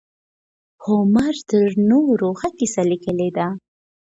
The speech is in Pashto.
هومر تر نورو ښه کيسه ليکلې ده.